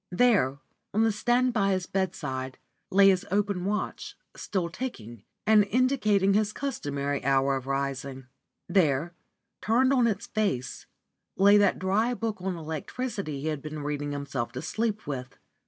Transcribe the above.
There, on the stand by his bedside, lay his open watch, still ticking, and indicating his customary hour of rising. There, turned on its face, lay that dry book on electricity he had been reading himself to sleep with.